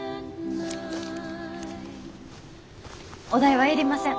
お代は要りません。